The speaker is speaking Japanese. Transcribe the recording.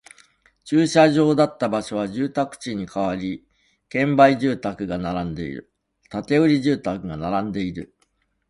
駐車場だった場所は住宅地に変わり、建売住宅が並んでいる